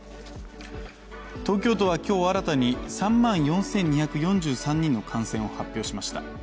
東京都は今日新たに３万４２４３人の感染を発表しました。